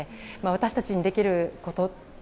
私たちにできること